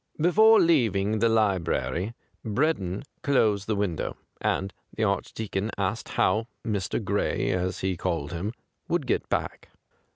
Before leaving the library Bred don closed the window, and the ]81 THE GRAY CAT Archdeacon asked how ' Mr. Gray/ as he called him, would get back.